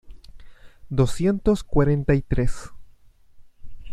Doscientos cuarenta y tres